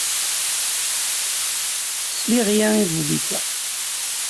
Sliɣ yagi i tezlit-a.